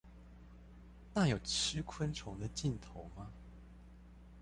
那有吃昆蟲的鏡頭嗎？